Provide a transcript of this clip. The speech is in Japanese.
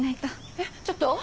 えっちょっと。